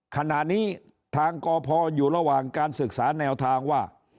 ขณะนี้ทางกพอยู่ระหว่างการศึกษาแนวทางว่า